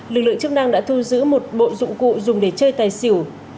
lực lượng chức năng đã thu giữ một bộ dụng cụ dùng để chơi tài xỉu